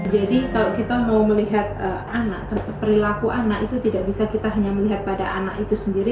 jadi kalau kita mau melihat anak perilaku anak itu tidak bisa kita hanya melihat pada anak itu sendiri